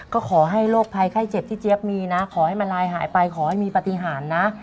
ก็ขอให้โรคภัยไข้เจ็บที่เจี๊ยบมีนะขอให้มันลายหายไปขอให้มีปฏิหารนะ